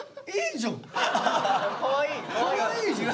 かわいいじゃん！